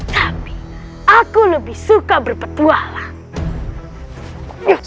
tapi aku lebih suka berpetualang